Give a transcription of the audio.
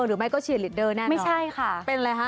หรือไม่ก็เชียร์ลีดเดอร์แน่นอนเหรอไม่ใช่ค่ะเป็นอะไรฮะ